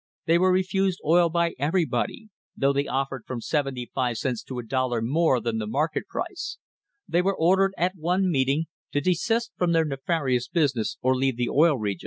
The} ' were refused oil by everybody, though they offered from seventy five cents to a dollar more than the market price They were ordered at one meeting "to desist from theii nefarious business or leave the Oil Region," and when the) * See page 56.